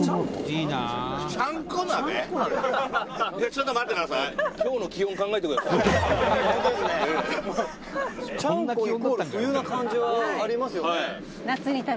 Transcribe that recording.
「ちょっと待ってください」「ちゃんこイコール冬な感じはありますよね」